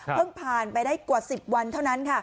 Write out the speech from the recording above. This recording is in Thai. ผ่านไปได้กว่า๑๐วันเท่านั้น